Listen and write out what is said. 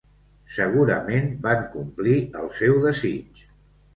Segurament van complir el seu desig.